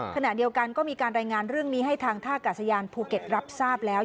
ขณะเดียวกันก็มีการรายงานเรื่องนี้ให้ทางท่ากาศยานภูเก็ตรับทราบแล้ว